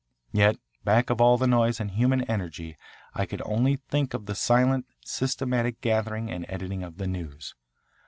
Yet back of all the noise and human energy I could only think of the silent, systematic gathering and editing of the news.